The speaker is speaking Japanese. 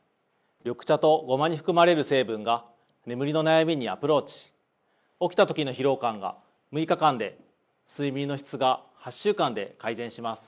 緑茶と胡麻に含まれる成分が眠りの悩みにアプローチ起きた時の疲労感が６日間で睡眠の質が８週間で改善します